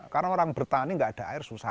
karena orang bertani enggak ada air susah